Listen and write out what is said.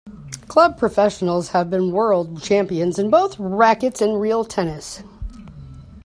Club professionals have been world champions in both racquets and real tennis.